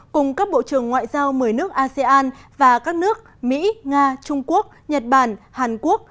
cùng các bộ trưởng ngoại giao một mươi nước asean và các nước mỹ nga trung quốc nhật bản hàn quốc